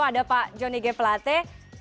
ada pak jonny g plate